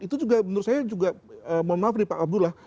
itu juga menurut saya mohon maaf nih pak abdul lah